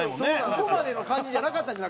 ここまでの感じじゃなかったんじゃない？